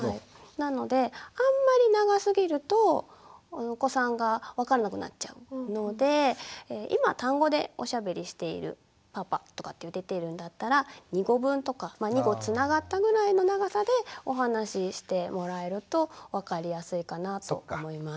なのであんまり長すぎるとお子さんが分かんなくなっちゃうので今単語でおしゃべりしている「パパ」とかって出てるんだったら２語文とか２語つながったぐらいの長さでお話ししてもらえると分かりやすいかなと思います。